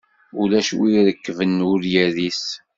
Ulac wi irekben ur iris.